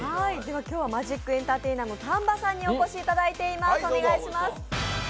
マジックエンターテイナーのＴａｎＢＡさんにお越しいただいています。